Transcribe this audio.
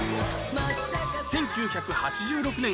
１９８６年発売